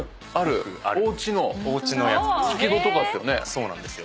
そうなんですよ。